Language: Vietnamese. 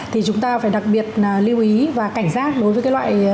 thì chúng ta phải đặc biệt lưu ý và cảnh giác đối với cái loại